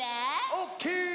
オッケー！